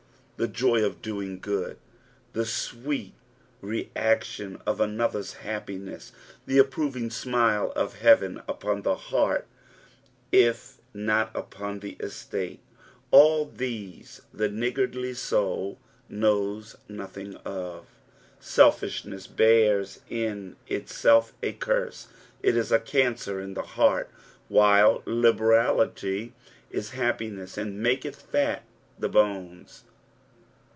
The joy of doing good, the sveet I reaction of another's ha])piness, the approving smile of hearea upon the iieart, / if not upon the estate ; all these the niggardly soul knows nothing of. BelBih ' ness bears in itself a curse, it ia * caneet in.^e heart; while liberalitj is happiness, and mukcth tat the bones.